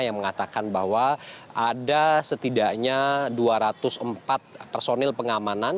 yang mengatakan bahwa ada setidaknya dua ratus empat personil pengamanan